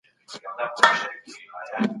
ایا تاسو د کنټ د خبرو سره موافق یاست؟